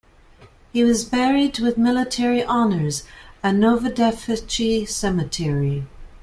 He was buried with military honours at Novodevichy Cemetery.